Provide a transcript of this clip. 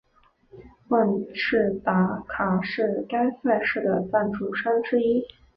万事达卡是该赛事的赞助商之一。